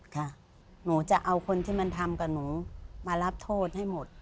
ค่ะหนูจะเอาคนที่มันทำกับหนูมารับโทษให้หมด